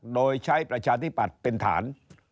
โดยใช้ประชาธิปัตย์เป็นฐาน